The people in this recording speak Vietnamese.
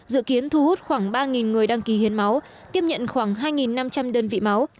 dự kiến thu hút khoảng ba người đăng ký hiến máu tiếp nhận khoảng hai năm trăm linh đơn vị máu